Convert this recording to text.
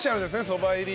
そば入り。